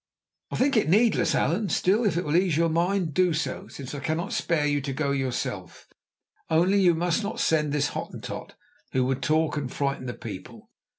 "I think it needless, Allan. Still, if it will ease your mind, do so, since I cannot spare you to go yourself. Only you must not send this Hottentot, who would talk and frighten the people.